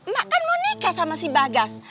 mak kan mau nikah sama si bagas